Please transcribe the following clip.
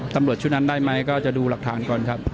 ตำรวจชุดนั้นได้ไหมก็จะดูหลักฐานก่อนครับ